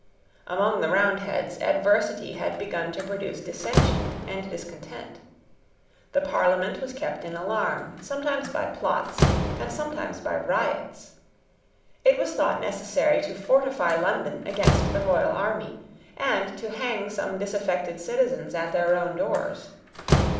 Among the Roundheads adversity had begun to produce dissension and discontent. The Parliament was kept in alarm, sometimes by plots, and sometimes by riots. It was thought necessary to fortify London against the royal army, and to hang some disaffected citizens at their own doors.